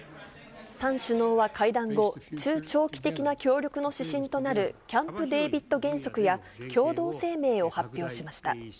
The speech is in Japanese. ３首脳は会談後、中・長期的な協力の指針となるキャンプデービッド原則や、共同声明を発表しました。